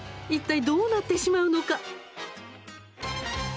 いったい、どうなってしまうのか。